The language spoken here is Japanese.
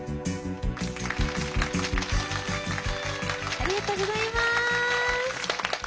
ありがとうございます。